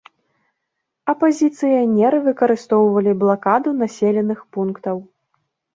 Апазіцыянеры выкарыстоўвалі блакаду населеных пунктаў.